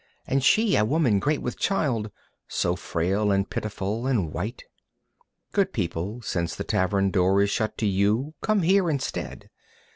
And She, a woman great with child, So frail and pitiful and white. Good people, since the tavern door Is shut to you, come here instead.